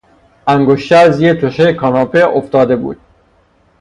انگشتر زیر تشک کاناپه افتاده بود.